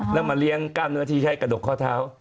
แล้วมาเลี้ยงกล้ามเนื้อที่ใช้กระดกข้อเท้า